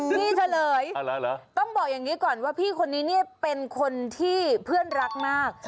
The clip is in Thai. เฉลยต้องบอกอย่างนี้ก่อนว่าพี่คนนี้เนี่ยเป็นคนที่เพื่อนรักมาก